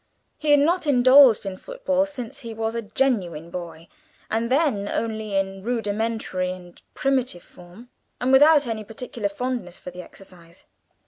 He had not indulged in football since he was a genuine boy, and then only in a rudimentary and primitive form, and without any particular fondness for the exercise.